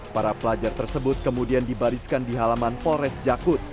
para pelajar tersebut kemudian dibariskan di halaman polres jakut